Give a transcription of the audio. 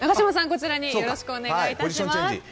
こちらによろしくお願いします。